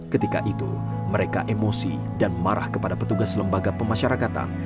ketika itu mereka emosi dan marah kepada petugas lembaga pemasyarakatan